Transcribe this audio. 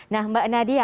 nah mbak nadia